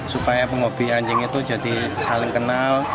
supaya penghobi anjing itu jadi saling kenal